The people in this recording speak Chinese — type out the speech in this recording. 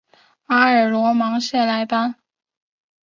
阿尔罗芒谢莱班。